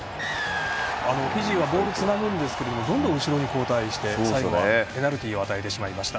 フィジーはボールつなぐんですがどんどん後ろに後退して最後はペナルティを与えてしまいました。